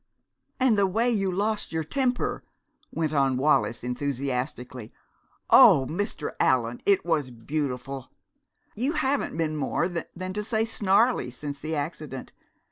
"And the way you lost your temper!" went on Wallis enthusiastically. "Oh, Mr. Allan, it was beautiful! You haven't been more than to say snarly since the accident!